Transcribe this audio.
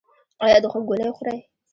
ایا د خوب ګولۍ خورئ؟